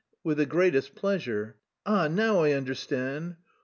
_ with the greatest pleasure.... Ah, now I understand....